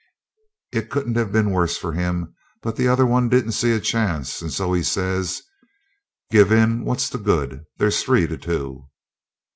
It couldn't have been worse for him; but the other one didn't see a chance, and so he says 'Give in, what's the good? There's three to two.'